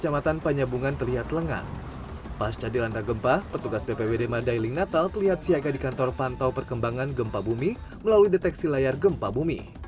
melalui deteksi layar gempa bumi